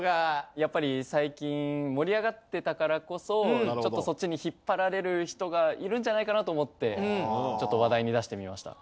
やっぱり最近盛り上がってたからこそちょっとそっちに引っ張られる人がいるんじゃないかなと思ってちょっと話題に出してみました。